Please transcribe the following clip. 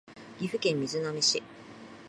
岐阜県瑞浪市